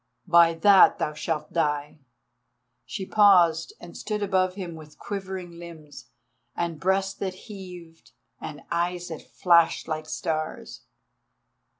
By that thou shalt die!" She paused, and stood above him with quivering limbs, and breast that heaved, and eyes that flashed like stars.